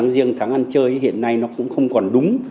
riêng tháng ăn chơi hiện nay nó cũng không còn đúng